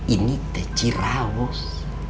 ini teh ciraos